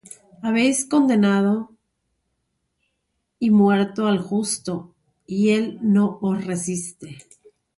Habéis condenado y muerto al justo; y él no os resiste.